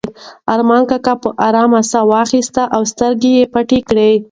ارمان کاکا په ارامه ساه واخیسته او سترګې یې پټې کړې.